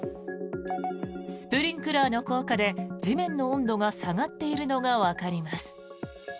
スプリンクラーの効果で地面の温度が下がっているのがわかります。